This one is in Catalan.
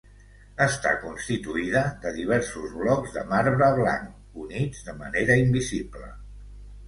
Està constituïda de diversos blocs de marbre blanc units de manera invisible.